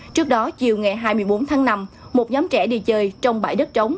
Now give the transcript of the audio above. trước đó chiều ngày hai mươi bốn tháng năm một nhóm trẻ đi chơi trong bãi đất trống